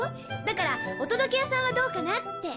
だからお届け屋さんはどうかなって。